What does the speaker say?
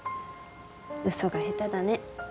ウソが下手だね。